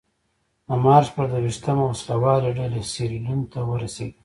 د مارچ په درویشتمه وسله والې ډلې سیریلیون ته ورسېدې.